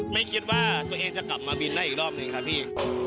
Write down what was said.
ไม่คิดว่าตัวเองจะกลับมาบินได้อีกรอบหนึ่งครับพี่